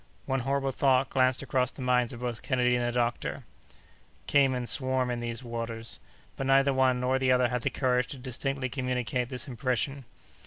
One horrible thought glanced across the minds of both Kennedy and the doctor: caymans swarm in these waters! But neither one nor the other had the courage to distinctly communicate this impression.